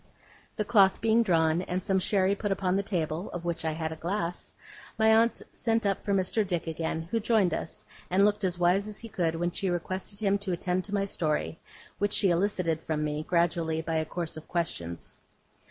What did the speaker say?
The cloth being drawn, and some sherry put upon the table (of which I had a glass), my aunt sent up for Mr. Dick again, who joined us, and looked as wise as he could when she requested him to attend to my story, which she elicited from me, gradually, by a course of questions.